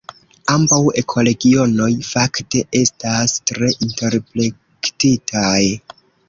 Ambaŭ ekoregionoj fakte estas tre interplektitaj.